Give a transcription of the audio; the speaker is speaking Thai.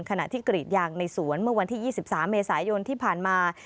ขณะที่กรีดยางในสวนเมื่อวันที่๒๓เมษายนที่ผ่านมา